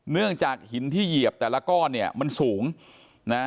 เนื่องจากหินที่เหยียบแต่ละก้อนเนี่ยมันสูงนะ